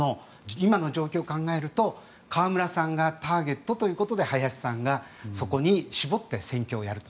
今の状況を考えると河村さんがターゲットということで林さんがそこに絞って選挙をやると。